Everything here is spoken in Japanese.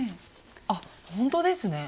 あほんとですね。